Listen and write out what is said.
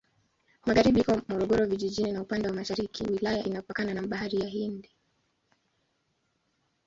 Magharibi iko Morogoro Vijijini na upande wa mashariki wilaya inapakana na Bahari ya Hindi.